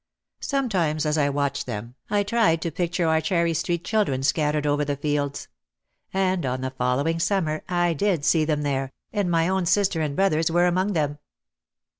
Sometimes as I watched them, I tried to picture our Cherry Street children scattered over the fields. And on the following summer I did see them there, and my own sister and brothers were among them.